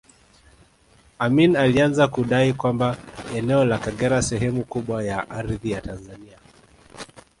Amin alianza kudai kwamba eneo la Kagera sehemu kubwa ya ardhi ya Tanzania